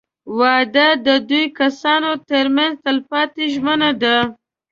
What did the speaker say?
• واده د دوه کسانو تر منځ تلپاتې ژمنه ده.